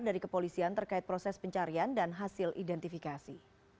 dari kepolisian terkait proses pencarian dan hasil identifikasi